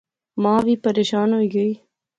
ما وی پریشان ہوئی گئی